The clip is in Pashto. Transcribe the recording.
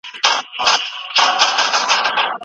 غړي به په دوامداره توګه د ملي شتمنيو د غلا د مخنيوي هڅه کوي.